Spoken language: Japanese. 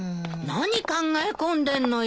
何考え込んでんのよ。